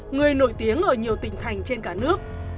người nổi tiếng ở nhiều tỉnh thành trên cả nước